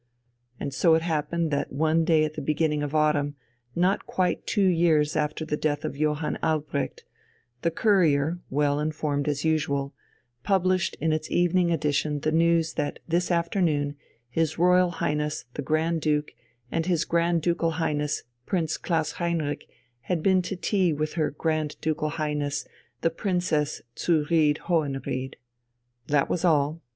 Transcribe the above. So it happened that one day at the beginning of autumn, not quite two years after the death of Johann Albrecht, the Courier, well informed as usual, published in its evening edition the news that this afternoon his Royal Highness the Grand Duke and his Grand Ducal Highness Prince Klaus Heinrich had been to tea with her Grand Ducal Highness the Princess zu Ried Hohenried. That was all.